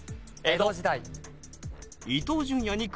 江戸時代。